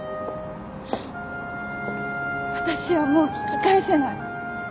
私はもう引き返せない。